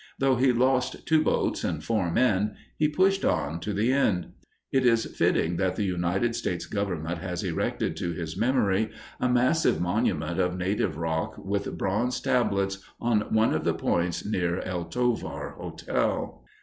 Though he lost two boats and four men, he pushed on to the end. It is fitting that the United States Government has erected to his memory a massive monument of native rock with bronze tablets on one of the points near El Tovar Hotel.